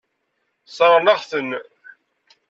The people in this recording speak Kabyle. Sseṛɣen-aɣ-ten.